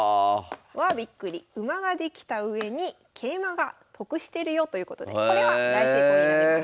わあびっくり馬ができたうえに桂馬が得してるよということでこれは大成功になります。